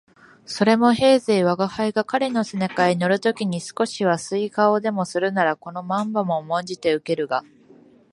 それも平生吾輩が彼の背中へ乗る時に少しは好い顔でもするならこの漫罵も甘んじて受けるが、